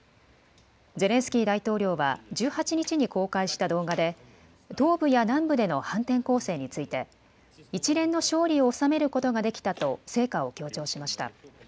ゼレンスキー大統領は１８日に公開した動画で、東部や南部での反転攻勢について、一連の勝利を収めることができたと成果を強調しました。